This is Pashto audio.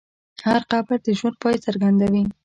هر قبر د ژوند پای څرګندوي.